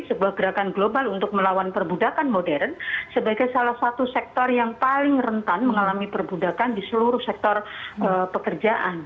sebuah gerakan global untuk melawan perbudakan modern sebagai salah satu sektor yang paling rentan mengalami perbudakan di seluruh sektor pekerjaan